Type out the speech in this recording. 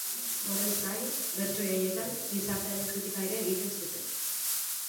Horrez gain, bertso haietan gizartearen kritika ere egiten zuten.